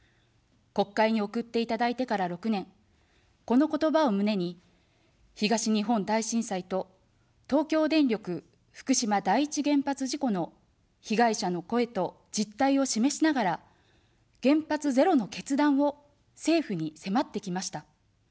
国会に送っていただいてから６年、この言葉を胸に、東日本大震災と、東京電力福島第一原発事故の被害者の声と実態を示しながら、原発ゼロの決断を政府にせまってきました。